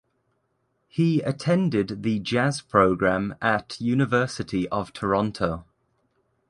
He attended the jazz program at University of Toronto.